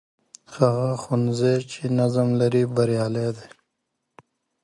هغه ښوونځی چې نظم لري، بریالی دی.